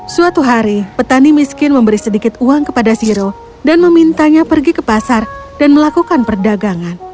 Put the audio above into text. suatu hari petani miskin memberi sedikit uang kepada siro dan memintanya pergi ke pasar dan melakukan perdagangan